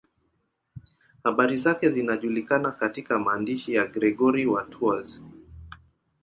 Habari zake zinajulikana katika maandishi ya Gregori wa Tours.